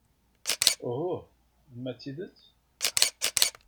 Uhuh! Uma d tidet?